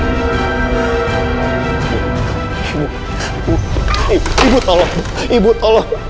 ibu ibu ibu tolong ibu tolong